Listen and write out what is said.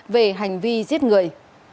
về hành vi giết người